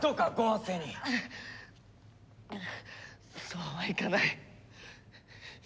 そうはいかない。